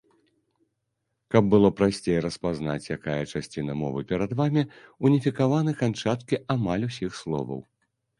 Каб было прасцей распазнаць, якая часціна мовы перад вамі, уніфікаваны канчаткі амаль усіх словаў.